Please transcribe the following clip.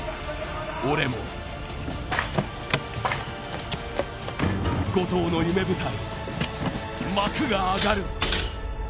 俺も後藤の夢舞台幕が上がる